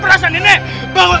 perasaan ini bang